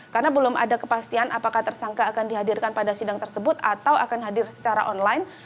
karena belum ada kepastian apakah tersangka akan dihadirkan pada sidang tersebut atau akan hadir secara online